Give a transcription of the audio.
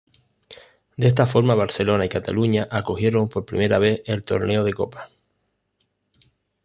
De esta forma Barcelona y Cataluña acogieron por primera vez el Torneo de Copa.